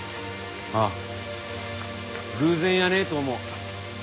ああ偶然やねえと思う。